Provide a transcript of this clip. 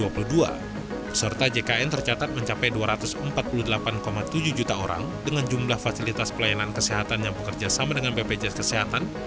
peserta jkn tercatat mencapai dua ratus empat puluh delapan tujuh juta orang dengan jumlah fasilitas pelayanan kesehatan yang bekerja sama dengan bpjs kesehatan